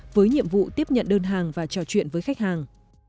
với nhiệm vụ tiếp nhận đơn hàng và trò chuyện với khách hàng